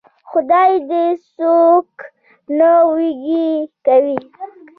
خدای دې څوک نه وږي کوي.